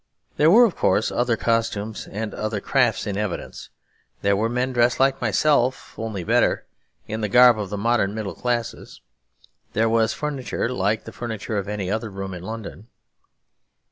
There were, of course, other costumes and other crafts in evidence; there were men dressed like myself (only better) in the garb of the modern middle classes; there was furniture like the furniture of any other room in London.